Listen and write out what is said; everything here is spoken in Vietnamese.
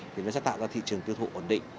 thì nó sẽ tạo ra thị trường tiêu thụ ổn định